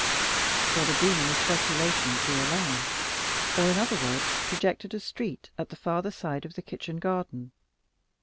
For the demon of speculation drew a line, or in other words projected a street, at the farther side of the kitchen garden.